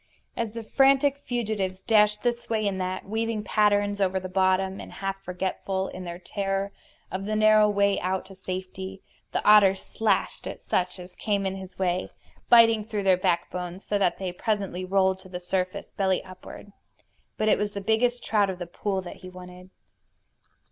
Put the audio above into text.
As the frantic fugitives dashed this way and that, weaving strange patterns over the bottom, and half forgetful, in their terror, of the narrow way out to safety, the otter slashed at such as came in his way, biting through their backbones, so that they presently rolled to the surface, belly upward. But it was the biggest trout of the pool that he wanted.